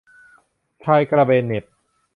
ชายกระเบนเหน็บ